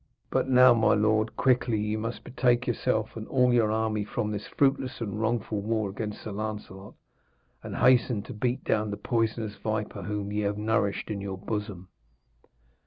But now, my lord, quickly ye must betake yourself and all your army from this fruitless and wrongful War against Sir Lancelot, and hasten to beat down the poisonous viper whom ye have nourished in your bosom.'